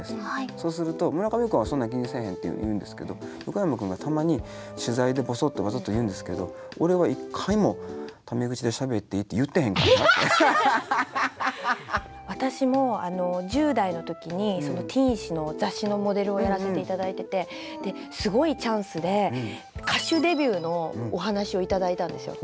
そうすると村上君は「そんなに気にせえへん」って言うんですけど横山君はたまに取材でボソッとわざと言うんですけど私も１０代の時にティーン誌の雑誌のモデルをやらせていただいててすごいチャンスで歌手デビューのお話をいただいたんですよ。